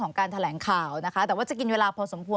การแถลงข่าวนะคะแต่ว่าจะกินเวลาพอสมควร